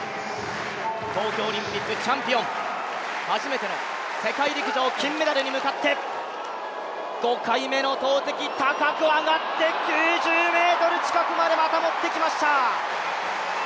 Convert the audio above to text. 東京オリンピックチャンピオン、初めての世界陸上金メダルに向かって、５回目の投てき、高く上がって９０ｍ近くまでまた持ってきました。